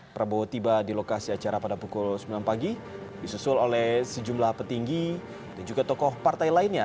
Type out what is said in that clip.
prabowo tiba di lokasi acara pada pukul sembilan pagi disusul oleh sejumlah petinggi dan juga tokoh partai lainnya